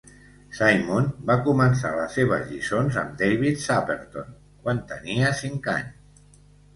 Simon va començar les seves lliçons amb David Saperton quan tenia cinc anys.